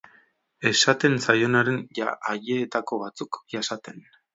Esaten zaionaren ajeetako batzuk jasaten.